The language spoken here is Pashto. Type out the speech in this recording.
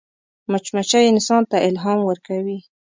مچمچۍ انسان ته الهام ورکوي